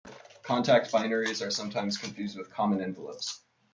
Contact binaries are sometimes confused with common envelopes.